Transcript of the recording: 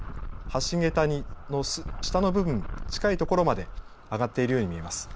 橋げたの下の部分、近いところまで上がっているように見えます。